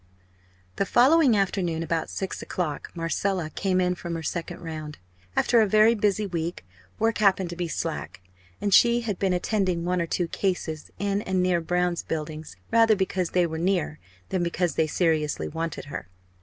The following afternoon about six o'clock Marcella came in from her second round. After a very busy week, work happened to be slack; and she had been attending one or two cases in and near Brown's Buildings rather because they were near than because they seriously wanted her.